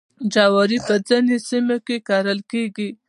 جواری په ځینو سیمو کې کیږي.